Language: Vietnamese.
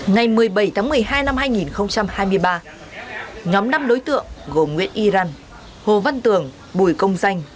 ngày một mươi bảy tháng một mươi hai năm hai nghìn hai mươi ba nhóm năm đối tượng gồm nguyễn y răn hồ văn tường bùi công danh